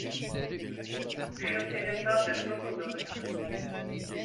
Şosenin sağ tarafı fundalıktı.